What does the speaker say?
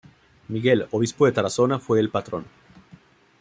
Miguel, obispo de Tarazona fue el patrón.